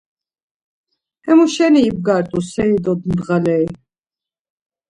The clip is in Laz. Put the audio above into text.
Hemuşeni ibgart̆u seri do ndğaleri.